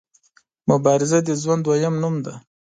مبارزه د ژوند دویم نوم دی.